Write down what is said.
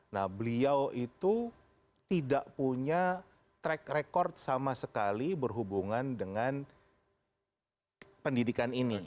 nah beliau itu tidak punya track record sama sekali berhubungan dengan pendidikan ini